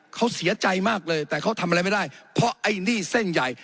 เขาเสียใจมากเลยแต่เขาทำอะไรไม่ได้เพราะไอ้นี่เส้นใหญ่